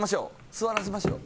座らせましょう。